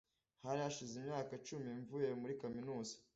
Hari hashize imyaka icumi mvuye muri kaminuza.